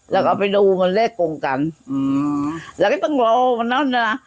แล้วก็ไปดูมันเลขตรงกันอืมเราก็ต้องรอวันนั้นนะ